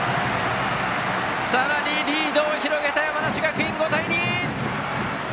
さらにリードを広げた山梨学院、５対２！